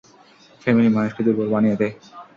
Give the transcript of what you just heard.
Family মানুষকে দুর্বল বানিয়ে দেয়।